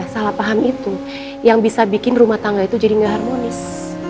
salah paham itu yang bisa bikin rumah tangga itu jadi nggak harmonis